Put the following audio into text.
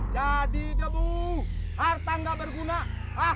jadi debu harta nggak berguna hahaha